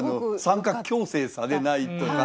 参加強制されないとか。